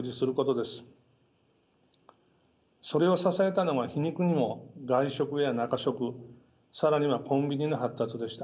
それを支えたのが皮肉にも外食や中食更にはコンビニの発達でした。